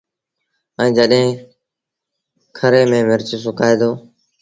ائيٚݩ جڏهيݩ کري ميݩ مرچ سُڪآئي دو